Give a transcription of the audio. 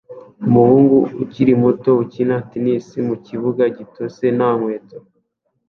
Umuhungu ukiri muto ukina tennis mukibuga gitose nta nkweto